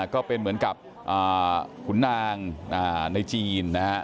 ก็เป็นเหมือนกับขุนนางในจีนนะฮะ